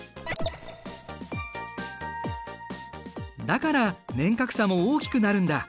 だから年較差も大きくなるんだ。